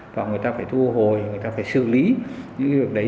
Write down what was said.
và người ta phải thu hồi người ta phải xử lý những điều đấy